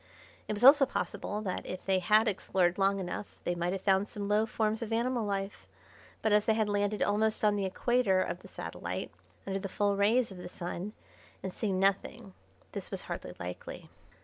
It was also possible that if they had explored long enough they might have found some low forms of animal life, but as they had landed almost on the equator of the satellite, under the full rays of the Sun, and seen nothing, this was hardly likely.